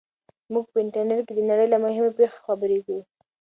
موږ په انټرنیټ کې د نړۍ له مهمو پېښو خبریږو.